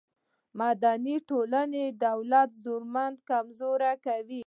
مدني ټولنې د دولت زورمندي کمزورې کوي.